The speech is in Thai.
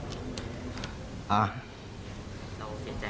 ไม่เป็นไร